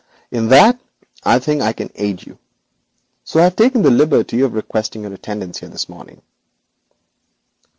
In that I think I can aid you, and thus have taken the liberty of requesting your attendance here this morning.